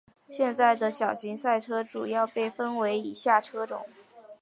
现在的小型赛车主要被分为以下车种。